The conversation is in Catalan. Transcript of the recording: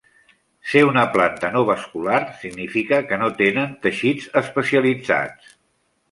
Ser una planta no vascular significa que no tenen teixits especialitzats.